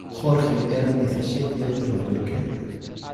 Jorge era diecisiete años mayor que ella.